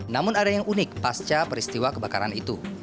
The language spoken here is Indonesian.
namun ada yang unik pasca peristiwa kebakaran itu